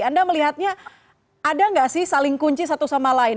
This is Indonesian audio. anda melihatnya ada nggak sih saling kunci satu sama lain